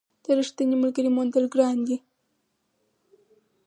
د رښتیني ملګري موندل ګران دي.